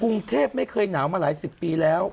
งงไม่เคยหนาวมาหลายสิบปีแล้ว